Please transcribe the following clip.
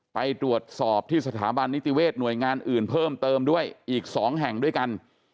ไปตรวจสอบที่สถาบันนิติเวศหน่วยงานอื่นเพิ่มเติมด้วยอีก๒แห่งด้วยกัน